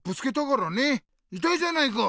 いたいじゃないか！